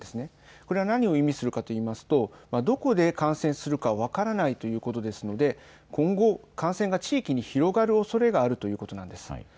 これは何を意味するかといいますとどこで感染するか分からないということですので今後、感染が地域に広がるおそれがあるということです。